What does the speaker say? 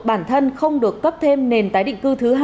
bản thân không được cấp thêm nền tái định cư thứ hai